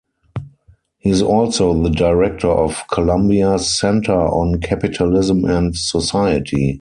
He is also the director of Columbia's Center on Capitalism and Society.